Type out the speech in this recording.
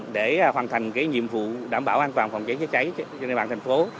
để hoàn thành nhiệm vụ đảm bảo an toàn phòng trái chữa trái trên địa bàn thành phố